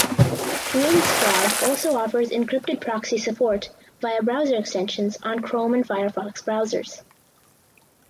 Windscribe also offers encrypted proxy support via browser extensions on Chrome and Firefox browsers.